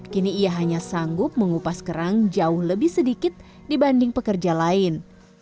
kini ia hanya sanggup mengupas kerang jauh lebih sedikit dibanding pekerja lain